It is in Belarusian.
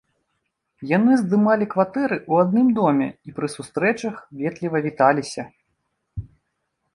Яны здымалі кватэры ў адным доме і пры сустрэчах ветліва віталіся.